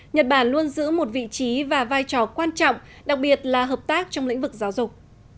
nhật bản luôn giữ một vị trí và vai trò quan trọng đặc biệt là hợp tác trong lĩnh vực giáo dục